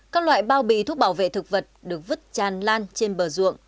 các loại bao bì thuốc bảo vệ thực vật được vứt tràn lan trên bờ ruộng